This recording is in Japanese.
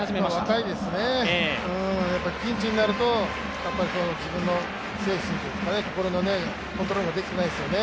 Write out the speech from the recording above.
若いですね、ピンチになると自分の精神というか心のコントロールができてないですよね。